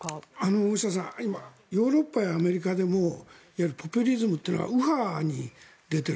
大下さん、今ヨーロッパやアメリカでもいわゆるポピュリズムというのは右派に出ている。